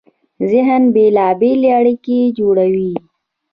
ذهن بېلابېلې اړیکې جوړوي.